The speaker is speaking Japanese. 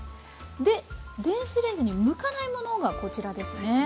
で電子レンジに向かないものがこちらですね。